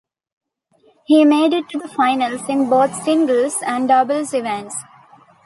He made it to the finals in both the singles and doubles events.